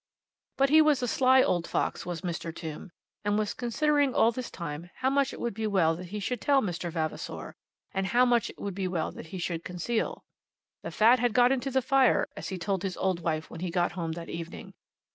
But he was a sly old fox was Mr. Tombe, and was considering all this time how much it would be well that he should tell Mr. Vavasor, and how much it would be well that he should conceal. "The fat had got into the fire," as he told his old wife when he got home that evening.